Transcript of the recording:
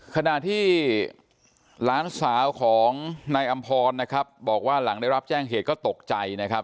ขณะที่หลานสาวของนายอำพรนะครับบอกว่าหลังได้รับแจ้งเหตุก็ตกใจนะครับ